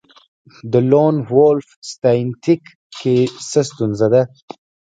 د لون وولف ساینتیک کې څه ستونزه ده